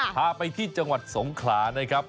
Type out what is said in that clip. พาไปที่จังหวัดสงขลานะครับ